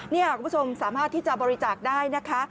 นี่คุณผู้ชมสามารถที่จะบริจาคได้นะคะ